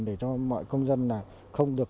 để cho mọi công dân là không được